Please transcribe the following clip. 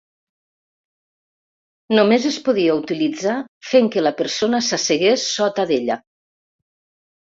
Només es podia utilitzar fent que la persona s'assegués sota d'ella.